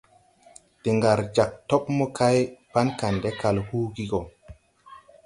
De ngar jāg tob mokay pan Kandɛ kal huugi go.